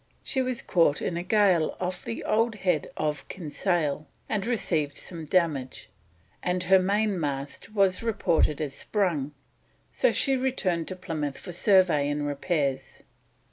She was caught in a gale off the old Head of Kinsale and received some damage, and her main mast was reported as sprung, so she returned to Plymouth for survey and repairs.